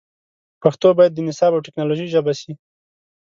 پښتو باید د نصاب او ټکنالوژۍ ژبه سي